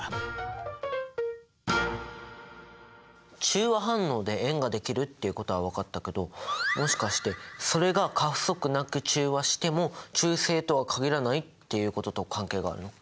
中和反応で塩ができるっていうことは分かったけどもしかしてそれが過不足なく中和しても中性とは限らないっていうことと関係があるの？